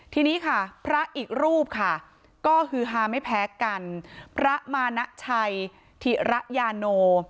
ทีนี้ค่ะพระอีกรูปค่ะก็คือฮาไม่แพ้กันพระมานะชัยธิระยาโน